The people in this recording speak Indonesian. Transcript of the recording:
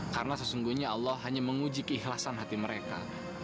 karena sesungguhnya allah hanya menguji keikhlasan hati mereka